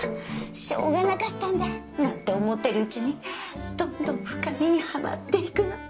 しようがなかったんだなんて思ってるうちにどんどん深みにはまっていくの。